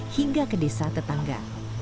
hingga ke desa tetangga